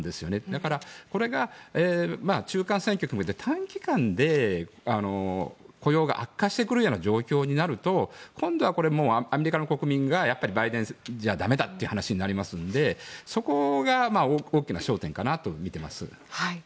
だから、これが中間選挙で短期間で雇用が悪化してくるような状況になると今度は、アメリカ国民がバイデンじゃだめだという話になりますので、そこが大きな焦点かなと見ています。